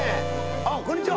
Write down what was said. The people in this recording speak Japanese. あっこんにちは。